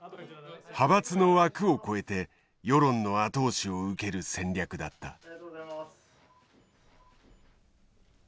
派閥の枠を超えて世論の後押しを受ける戦略だった。